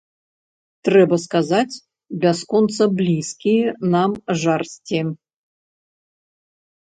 Трэба сказаць, бясконца блізкія нам жарсці.